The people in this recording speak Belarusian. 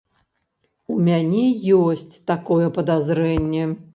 У мяне ёсць такое падазрэнне.